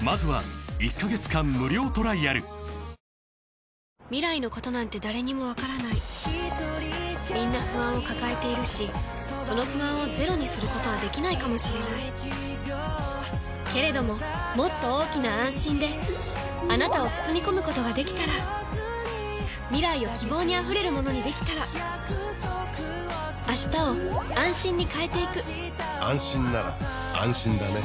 あ未来のことなんて誰にもわからないみんな不安を抱えているしその不安をゼロにすることはできないかもしれないけれどももっと大きな「あんしん」であなたを包み込むことができたら未来を希望にあふれるものにできたら変わりつづける世界に、「あんしん」を。